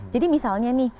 jadi misalnya nih